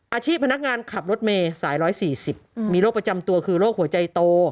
อาชีพพนักงานขับรถเมษสายร้อยสี่สิบอืมมีโรคประจำตัวคือโรคหัวใจโต